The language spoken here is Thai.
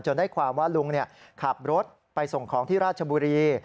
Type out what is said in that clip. ได้ความว่าลุงขับรถไปส่งของที่ราชบุรี